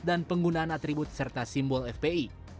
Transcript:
dan penggunaan atribut serta simbol fpi